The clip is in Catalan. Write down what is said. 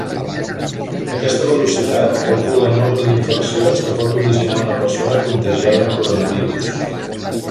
Aquesta velocitat calcula el nombre d'infeccions que pot originar una persona contagiada amb coronavirus.